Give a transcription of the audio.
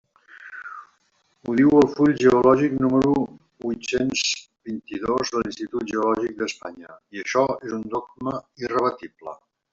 Ho diu el full geològic número huit-cents vint-i-dos de l'Institut Geològic d'Espanya, i això és un dogma irrebatible.